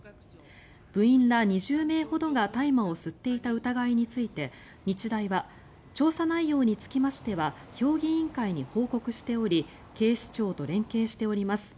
部員ら２０名ほどが大麻を吸っていた疑いについて日大は調査内容につきましては評議委員会に報告しており警視庁と連携しております